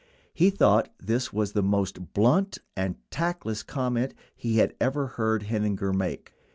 He thought that this was the most "blunt and tactless" comment he had ever heard Heininger make.